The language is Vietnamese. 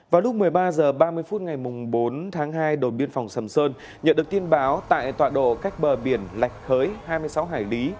vào lúc một mươi ba h ba mươi phút ngày bốn tháng hai đồn biên phòng sầm sơn nhận được tin báo tại tọa độ cách bờ biển lạch hới hai mươi sáu hải lý